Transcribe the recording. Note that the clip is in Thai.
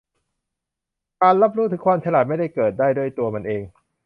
การรับรู้ถึงความฉลาดไม่ได้เกิดได้ด้วยตัวมันเอง